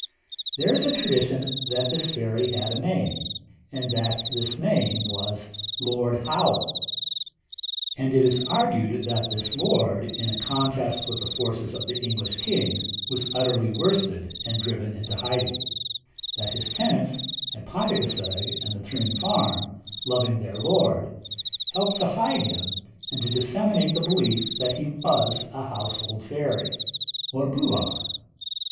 There is a tradition that this fairy had a name, and that this name was 'yr Arglwydd Hywel,' which is in English 'Lord Howell.' And it is argued that this Lord, in a contest with the forces of the English king, was utterly worsted, and driven into hiding; that his tenants at Pantygasseg and the Trwyn Farm, loving their Lord, helped to hide him, and to disseminate the belief that he was a household fairy, or Bwbach.